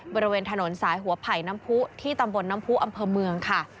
บริเวณถนนสายหัวไผ่น้ำผู้ที่ตำบลน้ำผู้อำเภอเมืองค่ะ